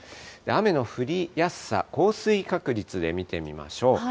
雨の降りやすさ、降水確率で見てみましょう。